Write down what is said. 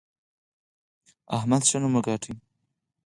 احمد ښه نوم وګاټه.